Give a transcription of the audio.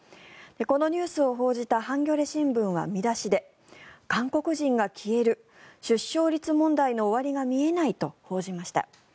このニュースを報じたハンギョレ新聞は見出しで韓国人が消える出生率問題の終わりが見えないと報じました。